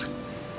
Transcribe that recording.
ingat ya alamak